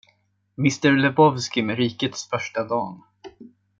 Mr Lebowski med rikets första dam.